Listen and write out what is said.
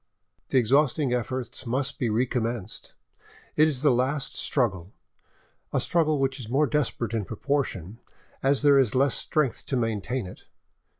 The exhausting efforts must be recommenced; it is the last struggle—a struggle which is more desperate in proportion as there is less strength to maintain it.